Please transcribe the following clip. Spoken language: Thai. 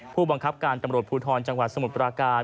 ผู้บังคับการตำรวจภูทรจังหวัดสมุทรปราการ